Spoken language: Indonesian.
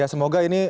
ya semoga ini